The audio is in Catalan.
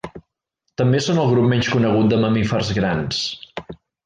També són el grup menys conegut de mamífers grans.